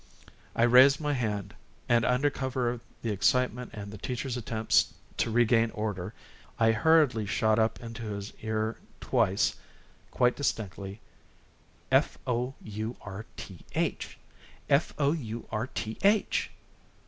I raised my hand, and, under cover of the excitement and the teacher's attempts to regain order, I hurriedly shot up into his ear twice, quite distinctly: "F o u r t h, f o u r t h."